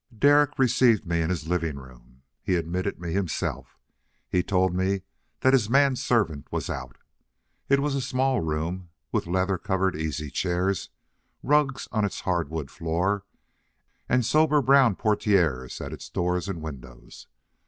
Derek received me in his living room. He admitted me himself. He told me that his man servant was out. It was a small room, with leather covered easy chairs, rugs on its hardwood floor, and sober brown portieres at its door and windows.